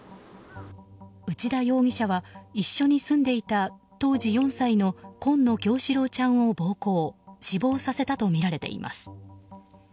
内田容疑者は一緒に住んでいた当時４歳の紺野叶志郎ちゃんを暴行死亡させたとみられています。